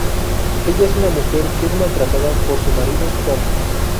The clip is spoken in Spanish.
Ella es una mujer que es maltratada por su marido Tom.